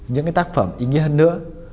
những tác phẩm ý nghĩa hơn nữa